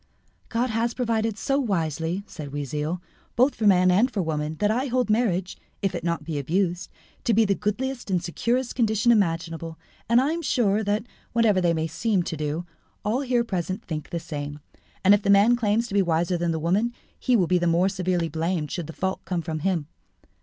"God has provided so wisely," said Oisille, "both for man and for woman, that I hold marriage, if it be not abused, to be the goodliest and securest condition imaginable, and I am sure that, whatever they may seem to do, all here present think the same. And if the man claims to be wiser than the woman, he will be the more severely blamed should the fault come from him.